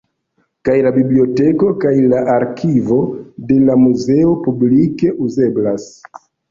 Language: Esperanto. Kaj la biblioteko kaj la arkivo de la muzeo publike uzeblas.